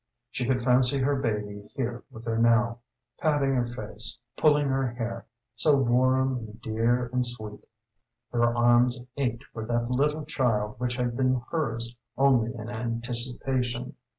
She could fancy her baby here with her now patting her face, pulling her hair so warm and dear and sweet. Her arms ached for that little child which had been hers only in anticipation.